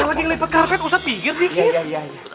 kalau lagi ngelipet karpet ustadz pikir dikit